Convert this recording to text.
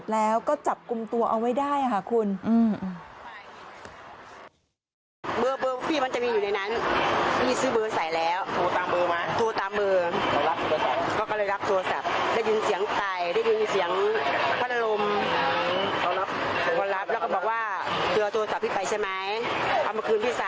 แล้วก็ขออะไรพวกนี้